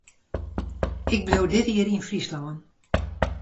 Ik bliuw dit jier yn Fryslân.